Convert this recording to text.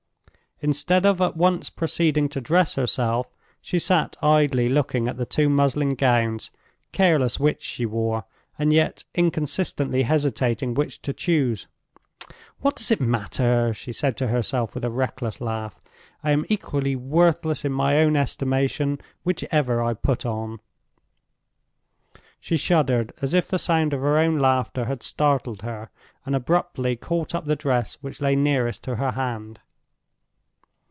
Instead of at once proceeding to dress herself, she sat idly looking at the two muslin gowns; careless which she wore, and yet inconsistently hesitating which to choose. "What does it matter!" she said to herself, with a reckless laugh; "I am equally worthless in my own estimation, whichever I put on." She shuddered, as if the sound of her own laughter had startled her, and abruptly caught up the dress which lay nearest to her hand.